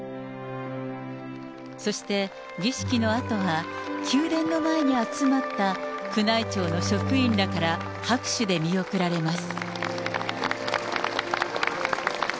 そして、儀式のあとは宮殿の前に集まった宮内庁の職員らから拍手で見送られます。